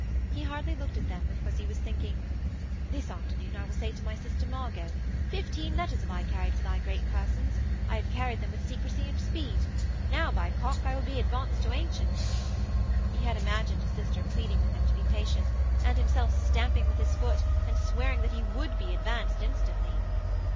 He hardly looked at them because he was thinking: 'This afternoon I will say to my sister Margot: "Fifteen letters I have carried for thy great persons. I have carried them with secrecy and speed. Now, by Cock, I will be advanced to ancient."' He had imagined his sister pleading with him to be patient, and himself stamping with his foot and swearing that he would be advanced instantly.